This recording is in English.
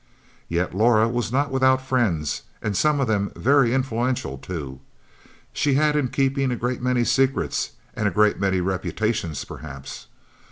Yet Laura was not without friends, and some of them very influential too. She had in her keeping a great many secrets and a great many reputations, perhaps.